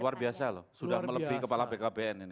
luar biasa loh sudah melebih kepala bkbn ini